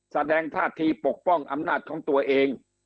แสดงท่าทีปกป้องอำนาจของตัวเอง